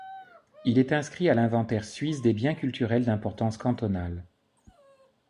Il est inscrit à l'inventaire suisse des biens culturels d'importance cantonale.